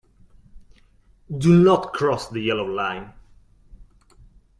Do not cross the yellow line.